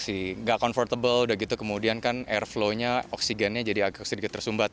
sih nggak convertable udah gitu kemudian kan airflownya oksigennya jadi agak sedikit tersumbat